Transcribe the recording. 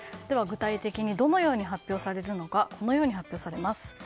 具体的にどのように発表されるのかこのように発表されます。